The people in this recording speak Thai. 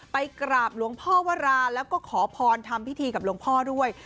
ไปกราบหลวงพ่อวราแล้วก็ขอพรทำพิธีกับหลวงพ่อด้วย